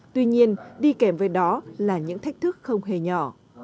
tuy nhiên đi kèm với đó là những thách thức không hề nhỏ